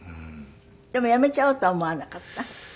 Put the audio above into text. でも辞めちゃおうとは思わなかった？